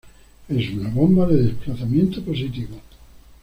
Es una bomba de desplazamiento positivo.